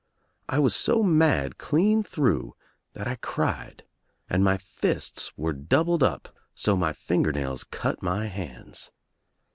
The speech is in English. I was so mad clean through that I cried and my fists were doubled up so my finger nails cut my hands.